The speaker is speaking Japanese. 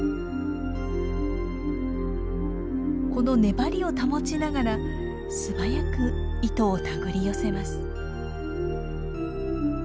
この粘りを保ちながら素早く糸を手繰り寄せます。